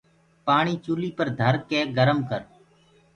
پآڻي چوليٚ پر ڌرڪي گرم ڪر۔